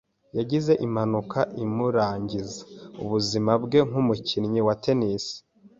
Yagize impanuka imurangiza ubuzima bwe nkumukinnyi wa tennis.